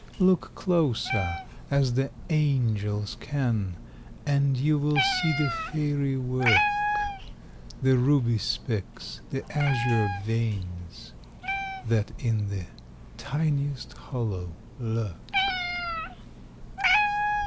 Look closer, as the angels can, And you will see the fairy work— The ruby specks, the azure veins, That in the tiniest hollow lurk.